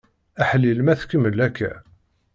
Aḥlil ma tkemmel akka!